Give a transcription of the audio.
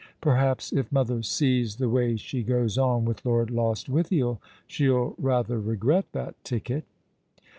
Perhaps if mother sees the way she goes on with Lord Lostwithiel she'll rather regret that ticket."